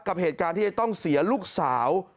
กับเหตุการณ์ที่จะต้องเสียลูกสาว